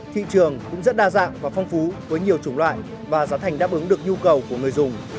thị trường cũng rất đa dạng và phong phú với nhiều chủng loại và giá thành đáp ứng được nhu cầu của người dùng